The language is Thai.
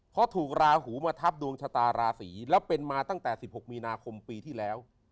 เพราะถูกราหูมาทับดวงชะตาราศีแล้วเป็นมาตั้งแต่๑๖มีนาคมปีที่แล้ว